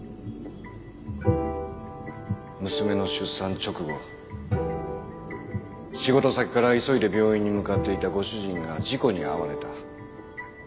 娘の出産直後仕事先から急いで病院に向かっていたご主人が事故に遭われた。